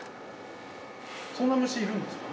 そんな虫いるんですか？